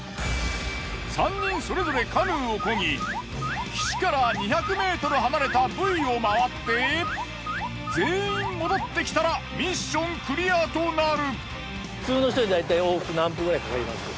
３人それぞれカヌーを漕ぎ岸から２００ｍ離れたブイを回って全員戻ってきたらミッションクリアとなる。